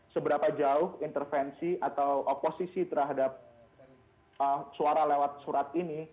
seberapa jauh intervensi atau oposisi terhadap suara lewat surat ini